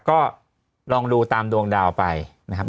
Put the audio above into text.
ก็ลองดูตามดวงดาวไปนะครับ